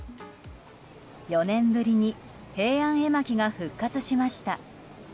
４年ぶり平安絵巻が復活しました。